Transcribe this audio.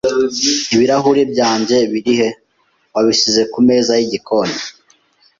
"Ibirahuri byanjye biri he?" "Wabasize ku meza y'igikoni."